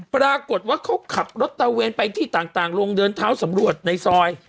ปรากฏว่าเขาขับรถตะเวนไปที่ต่างลงเดินเท้าสำรวจในซอย